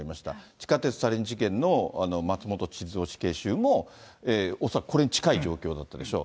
地下鉄サリン事件の松本智津夫死刑囚も、恐らくこれに近い状況だったでしょう。